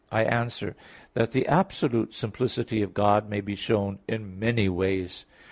I answer that, The absolute simplicity of God may be shown in many ways.